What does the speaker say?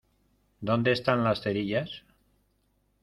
¿ Dónde están las cerillas?